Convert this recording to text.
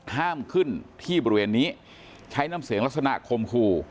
ห้ามขึ้นที่บริเวณนี้ใช้น้ำเสียงลักษณะคมคู่